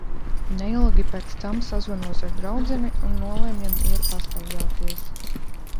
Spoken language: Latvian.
Neilgi pēc tam, sazvanos ar draudzeni un nolemjam iet pastaigāties.